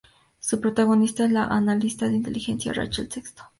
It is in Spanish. Su protagonista es la analista de inteligencia Rachel Sexton.